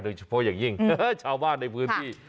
โดยเฉพาะอย่างยิ่งชาวบ้านในพื้นที่